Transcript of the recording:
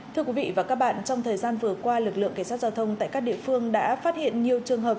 thưa quý vị và các bạn trong thời gian vừa qua lực lượng cảnh sát giao thông tại các địa phương đã phát hiện nhiều trường hợp